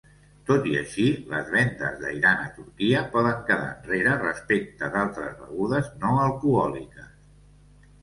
Tot i així, les vendes d'ayran a Turquia poden quedar enrere respecte d'altres begudes no alcohòliques.